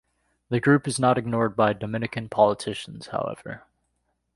The group is not ignored by Dominican politicians, however.